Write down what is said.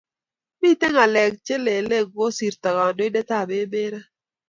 Miten ngalek che lele kosirto kandoitenab emet raa